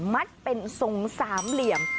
มัดเป็นทรงสามเหลี่ยม